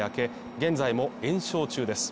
現在も延焼中です